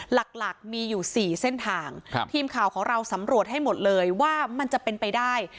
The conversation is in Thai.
หลักหลักมีอยู่สี่เส้นทางทีมข่าวของเราสำรวจให้หมดเลยว่ามันจะเป็นไปได้